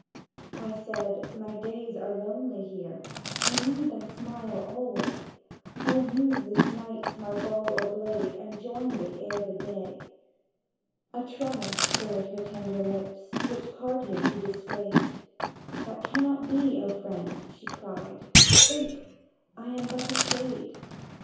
I said: "My days are lonely here; I need thy smile alway: I'll use this night my ball or blade, And join thee ere the day." A tremor stirred her tender lips, Which parted to dissuade: "That cannot be, O friend," she cried; "Think, I am but a Shade!